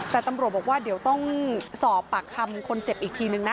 แต่ตำรวจบอกว่าเดี๋ยวต้องสอบปากคำคนเจ็บอีกทีนึงนะ